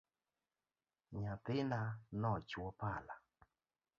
Nyathina nochwo pala